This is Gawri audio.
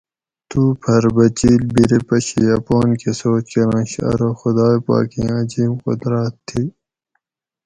تُو پٞھر بچیل بیری پشی اپان کٞہ سوچ کٞرنش ارو خُدائ پاکیں عجیب قُدراٞت تھی